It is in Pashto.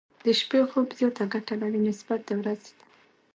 د شپې خوب زياته ګټه لري، نسبت د ورځې ته.